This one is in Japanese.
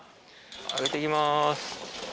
上げて行きます。